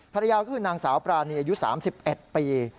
ภรรยาก็คือนางสาวปรานีอายุ๓๑ปี